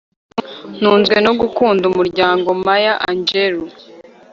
ntunzwe no gukunda umuryango. - maya angelou